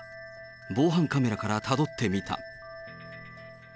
防犯カメラからたどってみた。